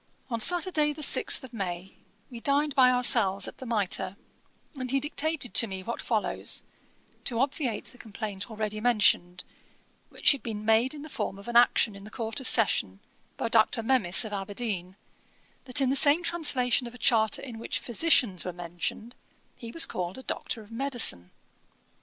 On Saturday, the sixth of May, we dined by ourselves at the Mitre, and he dictated to me what follows, to obviate the complaint already mentioned, which had been made in the form of an action in the Court of Session, by Dr. Memis, of Aberdeen, that in the same translation of a charter in which physicians were mentioned, he was called Doctor of Medicine.